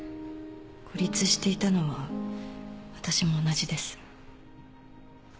孤立していたのは私も同じです。